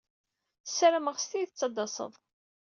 Ssarameɣ s tidet ad d-tased.